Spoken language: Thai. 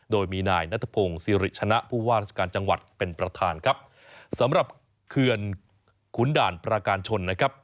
โดยมีนายนัทพงศ์สิริชนะผู้ว่าราชการจังหวัดเป็นประธานครับสำหรับเขื่อนขุนด่านประการชนนะครับ